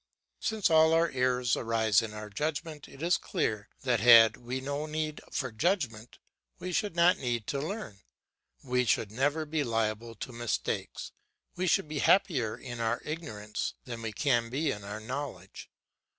Since all our errors arise in our judgment, it is clear, that had we no need for judgment, we should not need to learn; we should never be liable to mistakes, we should be happier in our ignorance than we can be in our knowledge.